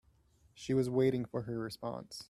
She was waiting for her response.